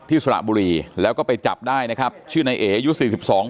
ที่สวรรค์บุรีแล้วก็ไปจับได้นะครับชื่อนายเอยุทย์๔๒